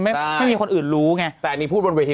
ไม่มีคนอื่นรู้ไง